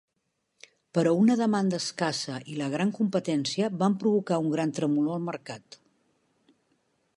Però una demanda escassa i la gran competència van provocar un gran tremolor al mercat.